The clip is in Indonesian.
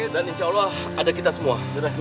dan insya allah ada kita semua